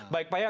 baik pak ya